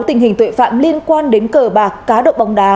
tình hình tội phạm liên quan đến cờ bạc cá độ bóng đá